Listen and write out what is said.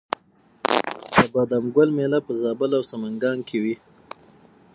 د بادام ګل میله په زابل او سمنګان کې وي.